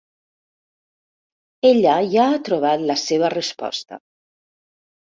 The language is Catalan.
Ella ja ha trobat la seva resposta.